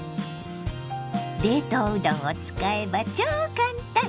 冷凍うどんを使えば超簡単！